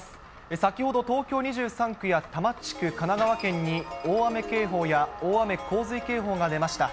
先ほど東京２３区や多摩地区、神奈川県に大雨警報や、大雨洪水警報が出ました。